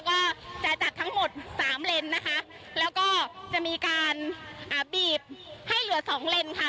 ก็จะจัดทั้งหมดสามเลนนะคะแล้วก็จะมีการอ่าบีบให้เหลือสองเลนค่ะ